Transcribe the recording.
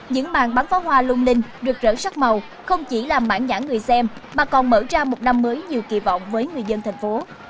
những màn bắn pháo hoa lung linh rực rỡ sắc màu không chỉ làm mãn nhãn người xem mà còn mở ra một năm mới nhiều kỳ vọng với người dân thành phố